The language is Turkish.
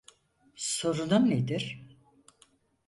Sorunun nedir?